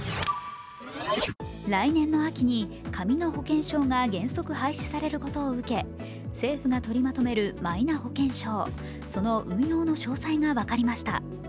来年の秋に紙の保険証が廃止されることを受け政府が取りまとめるマイナ保険証、その運用の詳細が分かりました。